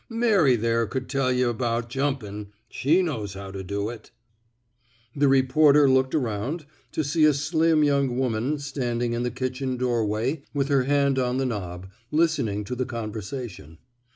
Mary there could tell y' about jumpin'. She knows how to do it.'* The reporter looked around to see a slim young woman standing in the kitchen door way with her hand on the knob, listening to the conversation.